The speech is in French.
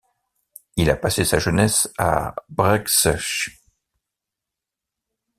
Il a passé sa jeunesse à Brzeszcze.